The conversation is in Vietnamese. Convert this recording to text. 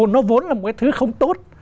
nó vốn là một cái thứ không tốt